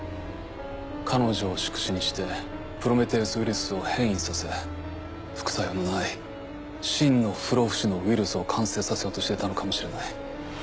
彼女を宿主にしてプロメテウス・ウイルスを変異させ副作用のない真の不老不死のウイルスを完成させようとしていたのかもしれない。